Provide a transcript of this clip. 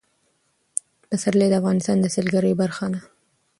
پسرلی د افغانستان د سیلګرۍ برخه ده.